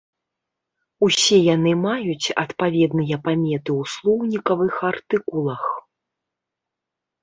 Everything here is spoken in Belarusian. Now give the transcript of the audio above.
Усе яны маюць адпаведныя паметы ў слоўнікавых артыкулах.